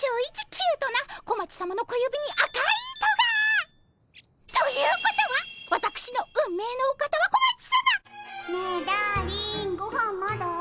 キュートな小町さまの小指に赤い糸が！ということはわたくしの運命のお方は小町さま？ねえダーリンごはんまだ？